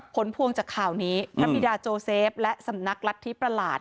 พวงจากข่าวนี้พระบิดาโจเซฟและสำนักรัฐธิประหลาด